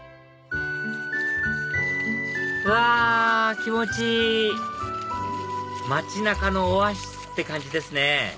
気持ちいい街中のオアシスって感じですね